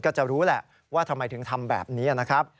ก็จะรู้แหละว่าทำไมถึงทำแบบนี้นะครับ